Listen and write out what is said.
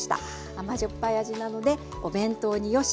甘じょっぱい味なのでお弁当によし！